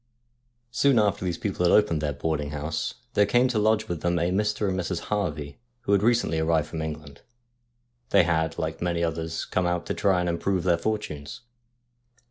Soon after these people had opened their boarding house, there came to lodge with them a Mr. and Mrs. Harvey, who had recently arrived from England. They had, like many others, come out to try and improve their fortunes.